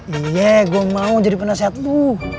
iya gua mau jadi penasehat lu